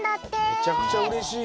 めちゃくちゃうれしい。